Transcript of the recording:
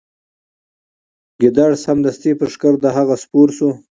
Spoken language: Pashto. ګیدړ سمدستي پر ښکر د هغه سپور سو